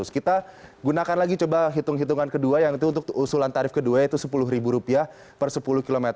kita gunakan lagi coba hitung hitungan kedua yang itu untuk usulan tarif kedua yaitu rp sepuluh per sepuluh km